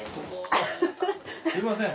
すみません！